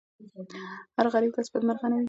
هر غریب کس بدمرغه نه وي.